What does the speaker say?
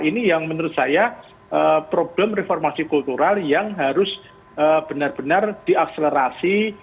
ini yang menurut saya problem reformasi kultural yang harus benar benar diakselerasi